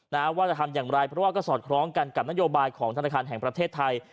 ว่าจะทำอย่างไรเพราะว่าก็สอดคล้องกันกับนโยบายของธนาคารแห่งประเทศไทย